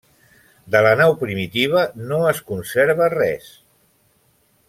De la nau primitiva no es conserva res.